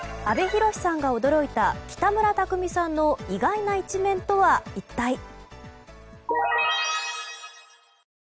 阿部寛さんが驚いた北村匠海さんの意外な一面とは一体。